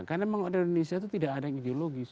karena memang di indonesia itu tidak ada ideologi